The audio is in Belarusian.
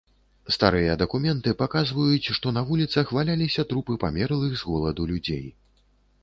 Старыя дакументы паказваюць, што на вуліцах валяліся трупы памерлых з голаду людзей.